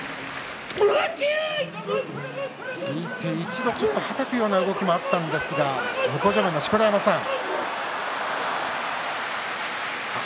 突いて一度はたくような動きがあったんですが、錣山さん。